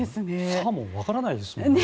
サーモンわからないですよね。